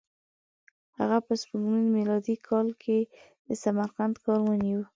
هغه په سپوږمیز میلادي کال کې د سمرقند ښار ونیو.